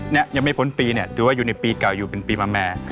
เนี่ยยังไม่พ้นปีเนี่ยถือว่าอยู่ในปีเก่าอยู่เป็นปีมาแม่